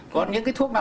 còn những cái thuốc nào